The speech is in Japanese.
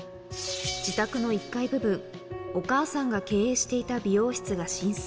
自宅の１階部分、お母さんが経営していた美容室が浸水。